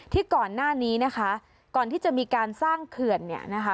ที่ก่อนหน้านี้นะคะก่อนที่จะมีการสร้างเขื่อนเนี่ยนะคะ